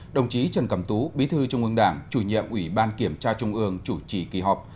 đồng chí trần cẩm tú bí thư trung ương đảng chủ nhiệm ủy ban kiểm tra trung ương chủ trì kỳ họp